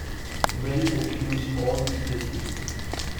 Rent includes all utilities.